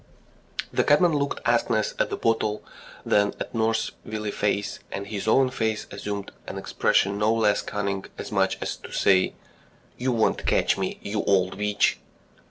The cabman looked askance at the bottle, then at nurse's wily face, and his own face assumed an expression no less cunning, as much as to say, "You won't catch me, you old witch!"